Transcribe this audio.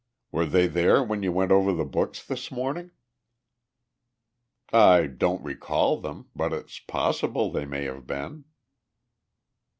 Were they there when you went over the books this morning?" "I don't recall them, but it's possible they may have been."